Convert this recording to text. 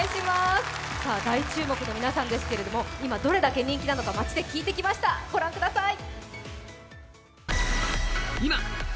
大注目の皆さんですけれども今どれだけ人気なのか街で聞いてきました、ご覧ください。